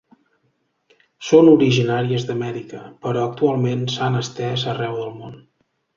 Són originàries d'Amèrica, però actualment s'han estès arreu del món.